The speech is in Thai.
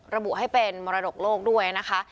ระบุให้เป็นมรดกโลกด้วยนะคะ